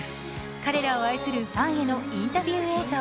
彼らを愛するファンへのインタビュー映像。